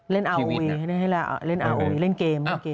เล่น่อวีเล่นเกม